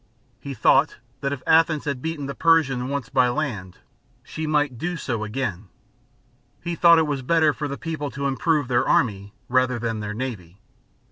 He thought, that if Athens had beaten the Persians once by land, she might do so again. He thought it was better for the people to improve their army, rather than their cnavy.